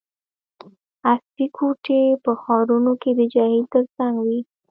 عصري کوټي په ښارونو کې د جهیل ترڅنګ وي